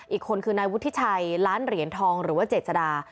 อีกคนคือนายวุฒิชัยล้านเหรียญทองหรือว่าเจษดา